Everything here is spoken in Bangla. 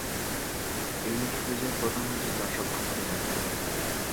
ইউনিটি’র বিজয়ে প্রধানমন্ত্রী তার সক্ষমতা দেখান।